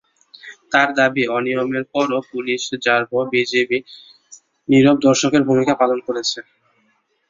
তাঁর দাবি, অনিয়মের পরও পুলিশ, র্যাব, বিজিবি নীরব দর্শকের ভূমিকা পালন করেছে।